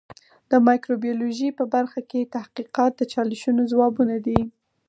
د مایکروبیولوژي په برخه کې تحقیقات د چالشونو ځوابونه دي.